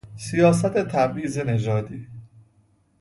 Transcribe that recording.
سیاست تبعیض نژادی